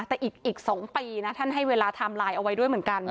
แต่อีก๒ปีนะท่านให้เวลาไทม์ไลน์เอาไว้ด้วยเหมือนกัน